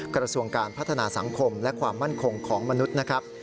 กระทรวงการพัฒนาสังคมและความมั่นคงของมนุษย์นะครับ